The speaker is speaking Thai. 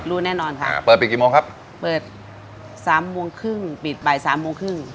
แน่นอนค่ะอ่าเปิดปิดกี่โมงครับเปิดสามโมงครึ่งปิดบ่ายสามโมงครึ่ง